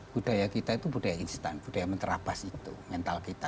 budaya kita itu budaya instan budaya menerabas itu mental kita